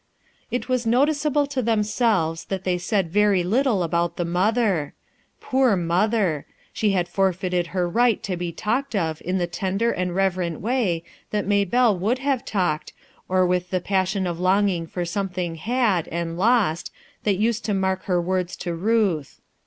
It was noticeable to themselves that they said very little about the mother. Poor mother! she had forfeited her right to be talked of in the tender and reverent way that Hay belle would have talked, or with the passion of longing for something had, and lost, that used to mark her "TWO, AND TWO, AND TWO" 3S9 words to Ruth.